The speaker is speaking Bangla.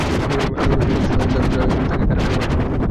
আদালত রিমান্ড শুনানির দিন ধার্য করে তাঁকে কারাগারে পাঠানোর নির্দেশ দেন।